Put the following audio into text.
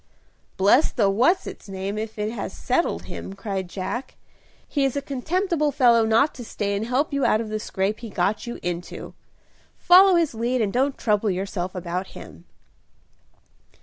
"Bless the what's its name if it has settled him," cried Jack. "He is a contemptible fellow not to stay and help you out of the scrape he got you into. Follow his lead and don't trouble yourself about him."